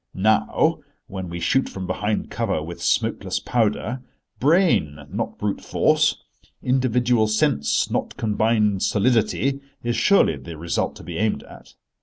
Now, when we shoot from behind cover with smokeless powder, brain not brute force—individual sense not combined solidity is surely the result to be aimed at.